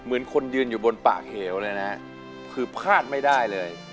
เหมือนคนยืนอยู่บนปากเหวเลยนะคือพลาดไม่ได้เลย